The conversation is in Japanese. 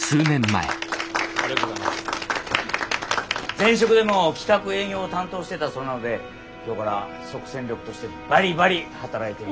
前職でも企画営業を担当してたそうなので今日から即戦力としてバリバリ働いて。